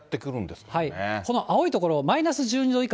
この青い所、マイナス１２度以下